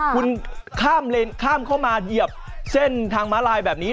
คุณข้ามเข้ามาเหยียบเส้นทางมาลายแบบนี้